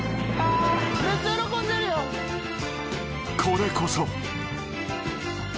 ［これこそ］